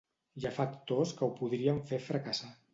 Hi ha factors que ho podrien fer fracassar.